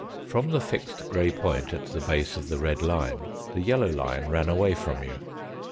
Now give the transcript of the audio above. From the fixed grey point at the base of the red line the yellow line ran away from you.